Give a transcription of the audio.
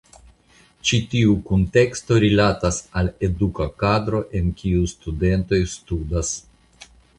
Ĉi tiu kunteksto rilatas al eduka kadro en kiu studentoj studas.